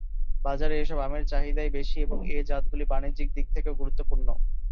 বাজারে এসব আমের চাহিদাই বেশি এবং এ জাতগুলি বাণিজ্যিক দিক থেকেও গুরুত্বপূর্ণ।